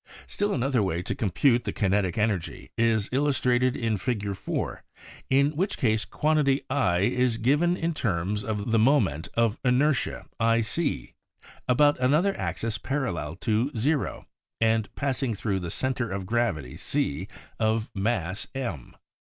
Still another way to compute the kinetic energy is illustrated in Fig. 4, in which case the quantity I is given in terms of the mo ment of inertia L about another axis paral lel to 0 and passing thru the center of gravity C of mass M.